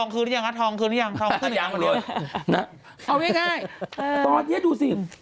เขายังอยู่